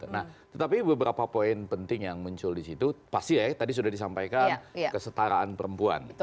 nah tetapi beberapa poin penting yang muncul di situ pasti ya tadi sudah disampaikan kesetaraan perempuan